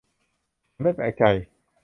ฉันไม่แปลกใจ